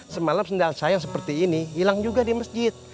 semalam saya seperti ini hilang juga di masjid